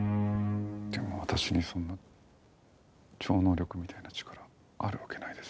でも私にそんな超能力みたいな力あるわけないです。